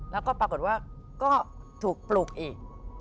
แล้วก็ปรากฏว่าก็ถูกปลุกอีก